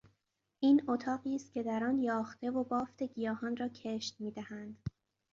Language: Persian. این اتاقی است که در آن یاخته و بافت گیاهان را کشت میدهند.